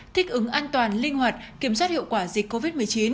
thích ứng an toàn linh hoạt kiểm soát hiệu quả dịch covid một mươi chín